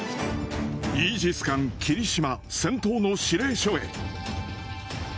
イージス艦きりしま、戦闘の指令所へ。